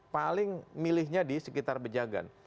paling milihnya di sekitar pejagan